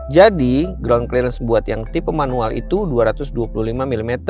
jadi ground clearance buat yang tipe manual itu dua ratus dua puluh lima mm